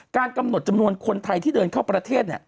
กำหนดจำนวนคนไทยที่เดินเข้าประเทศ